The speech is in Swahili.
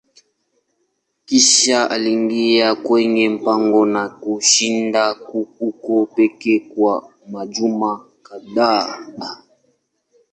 Kisha aliingia kwenye pango na kushinda huko pekee kwa majuma kadhaa.